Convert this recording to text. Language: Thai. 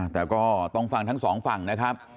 แต่ก็ต้องฟังทั้งสองฝั่งนะครับ